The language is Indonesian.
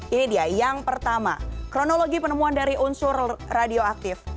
ini dia yang pertama kronologi penemuan dari unsur radioaktif